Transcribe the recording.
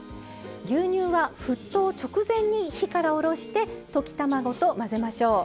牛乳は沸騰直前に火から下ろして溶き卵と混ぜましょう。